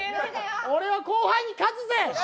俺は後輩に勝つぜ。